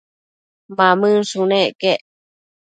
Mamënshunec quec